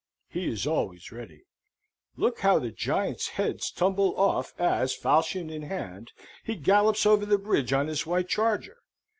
He is always ready. Look! how the giants' heads tumble off as, falchion in hand, he gallops over the bridge on his white charger!